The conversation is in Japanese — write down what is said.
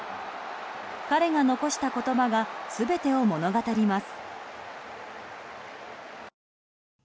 彼が残した言葉が全てを物語ります。